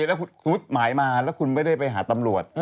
แล้วคุณหมายมาแล้วคุณไม่ได้ไปหาตำรวจ